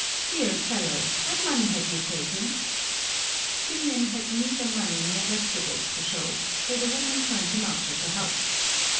Here, fellow, what money have you taken ?" Symeon had neither money nor vegetables to show, so the woman turned him out of the house.